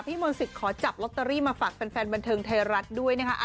มนศิษย์ขอจับลอตเตอรี่มาฝากแฟนบันเทิงไทยรัฐด้วยนะคะ